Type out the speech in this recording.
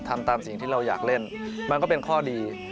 ทำตามสิ่งที่เราอยากเล่นมันก็เป็นข้อดี